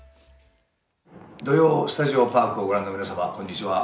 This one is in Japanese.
「土曜スタジオパーク」をご覧の皆様、こんにちは。